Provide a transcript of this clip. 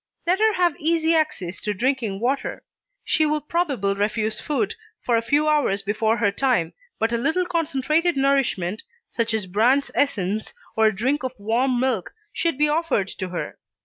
Let her have easy access to drinking water. She will probable refuse food for a few hours before her time, but a little concentrated nourishment, such as Brand's Essence or a drink of warm milk, should be offered to her.